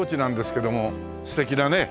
素敵だね。